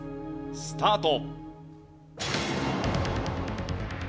スタート。